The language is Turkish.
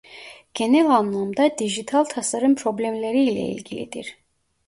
Genel anlamda dijital tasarım problemleri ile ilgilidir.